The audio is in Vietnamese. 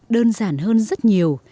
đơn giản hơn rất nhiều